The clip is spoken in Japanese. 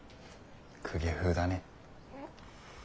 公家風だね。